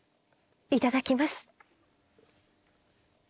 いただきます。